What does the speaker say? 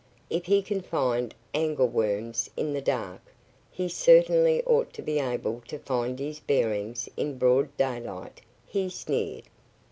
"If he can find angleworms in the dark he certainly ought to be able to find his bearings in broad daylight," he sneered.